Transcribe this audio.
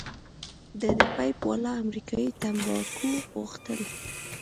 ده د پیپ والا امریکايي تمباکو غوښتل.